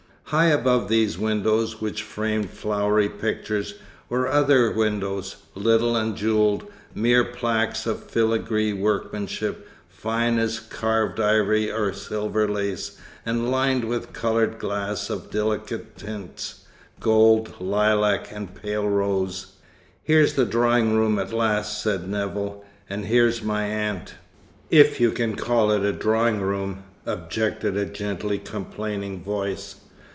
High above these windows, which framed flowery pictures, were other windows, little and jewelled, mere plaques of filigree workmanship, fine as carved ivory or silver lace, and lined with coloured glass of delicate tints gold, lilac, and pale rose. "Here's the drawing room at last," said Nevill, "and here's my aunt." "If you can call it a drawing room," objected a gently complaining voice.